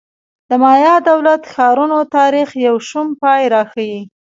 د مایا دولت ښارونو تاریخ یو شوم پای راښيي